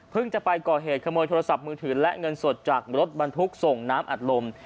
จะไปก่อเหตุขโมยโทรศัพท์มือถือและเงินสดจากรถบรรทุกส่งน้ำอัดลม